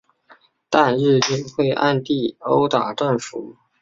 但日军会暗地殴打战俘。